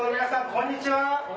こんにちは。